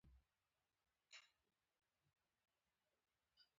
په زیمبابوې کې د موګابي حکومت اقتصادي او ټولنیز وضعیت ښه انځوروي.